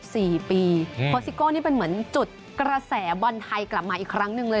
เพราะซิโก้นี่เป็นเหมือนจุดกระแสบอลไทยกลับมาอีกครั้งหนึ่งเลย